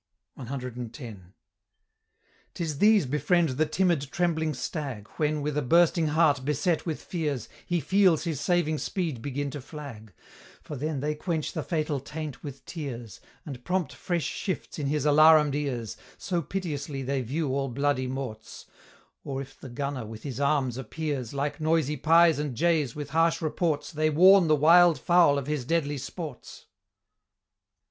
CX. "'Tis these befriend the timid trembling stag, When, with a bursting heart beset with fears, He feels his saving speed begin to flag; For then they quench the fatal taint with tears, And prompt fresh shifts in his alarum'd ears, So piteously they view all bloody morts; Or if the gunner, with his arms, appears, Like noisy pyes and jays, with harsh reports, They warn the wild fowl of his deadly sports."